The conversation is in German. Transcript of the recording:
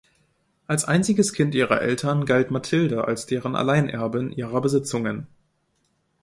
Als einziges Kind ihrer Eltern galt Mathilde als deren Alleinerbin ihrer Besitzungen.